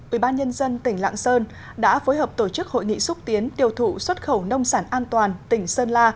ubnd tỉnh lạng sơn đã phối hợp tổ chức hội nghị xúc tiến tiêu thụ xuất khẩu nông sản an toàn tỉnh sơn la